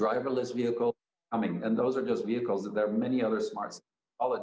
jika kita melihat kembali ke dalam kondisi teknologi apakah itu elektrik mobil atau teknologi yang berbeda